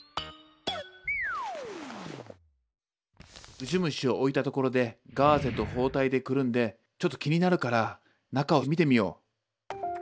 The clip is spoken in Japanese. ウジ虫を置いたところでガーゼと包帯でくるんでちょっと気になるから中を見てみよう。